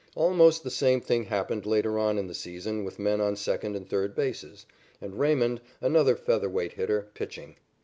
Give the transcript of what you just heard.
Almost the same thing happened later on in the season with men on second and third bases, and Raymond, another featherweight hitter, pitching.